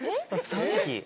３席。